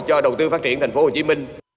cho đầu tư phát triển tp hcm